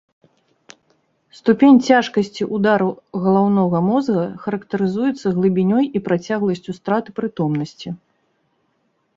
Ступень цяжкасці ўдару галаўнога мозга характарызуецца глыбінёй і працягласцю страты прытомнасці.